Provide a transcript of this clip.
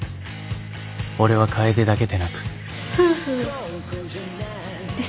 俺は楓だけでなく夫婦ですから。